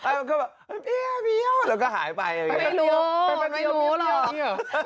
เออก็บอกแล้วก็หายไปไม่รู้ไม่รู้หรอก